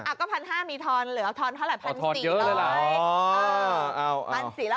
อ่ะก็๑๕๐๐มีทอนเหลือทอนเท่าไหร่๑๔๐๐อ่ะ